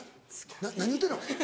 何言うてんの？